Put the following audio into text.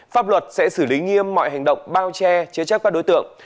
pháp luật sẽ xử lý nghiêm mọi hành động bao che chế chấp các đối tượng